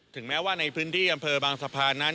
แม้ว่าในพื้นที่อำเภอบางสะพานนั้น